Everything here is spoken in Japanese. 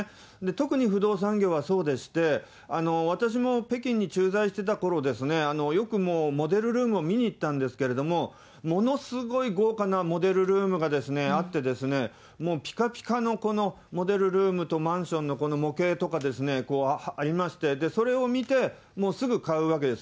特に不動産業はそうでして、私も北京に駐在していたころ、よくモデルルームを見に行ったんですけれども、ものすごい豪華なモデルルームがあって、もうぴかぴかのモデルルームとマンションの模型とかですね、ありまして、それを見て、もうすぐ買うわけです。